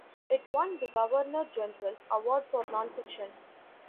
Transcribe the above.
It won the Governor General's Award for non-fiction.